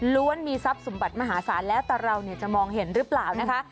มีทรัพย์สมบัติมหาศาลแล้วแต่เราจะมองเห็นหรือเปล่านะคะ